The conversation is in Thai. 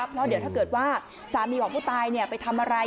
เพราะเดี๋ยวถ้าเกิดว่าสามีของผู้ตายไปทำอะไร